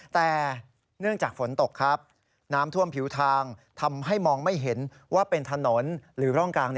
แต่เนื่องจากฝนตกครับน้ำท่วมผิวทางทำให้มองไม่เห็นว่าเป็นถนนหรือร่องกลาง